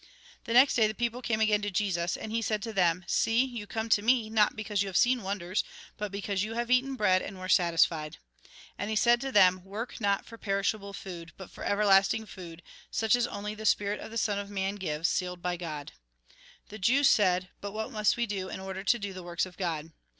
The next day, the people came again to Jesus. And he said to them :" See, you come to me, not because you have seen wonders, but because you have eaten bread and were satisfied." And he said to them :" Work not for perishable food, but for everlasting food, such as only the spirit of the Sou of Man gives, sealed by God." 7. Mt. xiv. 17. Jn. vi. 9. THE TRUE LIFE 69 vi. 28. 29. 30. 35. 37. a.. The Jews said :" But what must we do, in order to do the works of God